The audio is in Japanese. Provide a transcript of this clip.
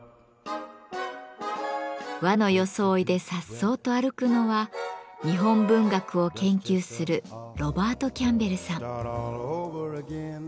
和の装いでさっそうと歩くのは日本文学を研究するロバート・キャンベルさん。